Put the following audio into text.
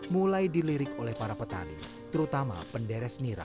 mulai dilirik oleh para petani terutama penderes nira